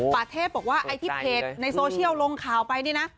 ป่าเทพบอกว่าไอ้ที่เพจในโซเชียลลงข่าวไปนี่นะ